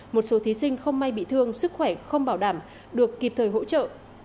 một số thí sinh không may bị thương sức khỏe không bảo đảm được kịp thời hỗ trợ